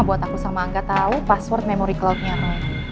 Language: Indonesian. buat aku sama angga tahu password memori cloudnya kunnen makanya kita mau ngobrol di